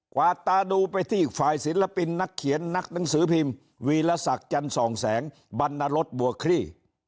วาดตาดูไปที่อีกฝ่ายศิลปินนักเขียนนักหนังสือพิมพ์วีรศักดิ์จันสองแสงบรรณรสบัวคลี่